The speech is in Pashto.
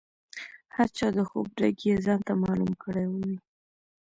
هر چا د خوب رګ یې ځانته معلوم کړی وي.